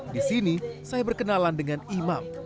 di sini saya berkenalan dengan imam